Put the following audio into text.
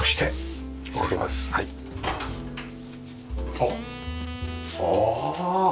おっああ！